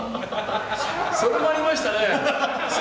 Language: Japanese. それもありましたね。